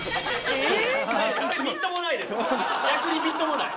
逆にみっともない。